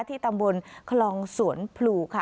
ที่ตำบลคลองสวนผลู่ค่ะ